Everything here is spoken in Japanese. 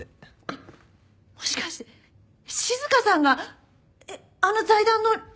えっもしかして静さんがあの財団の理事長！？